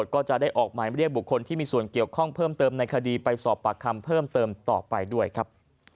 ขอบคุณครับ